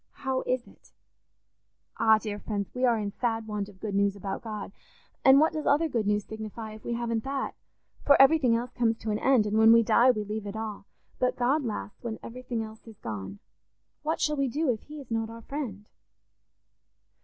How is it? "Ah, dear friends, we are in sad want of good news about God; and what does other good news signify if we haven't that? For everything else comes to an end, and when we die we leave it all. But God lasts when everything else is gone. What shall we do if he is not our friend?"